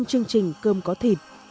chương trình cơm có thịt